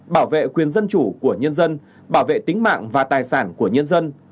bảo vệ quyền dân chủ của nhân dân bảo vệ tính mạng và tài sản của nhân dân